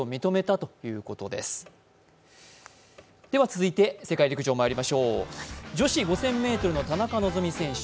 続いて世界陸上まいりましょう女子５０００ｍの田中希実選手